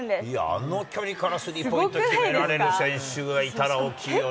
あの距離からスリーポイント決められる選手がいたら大きいよね。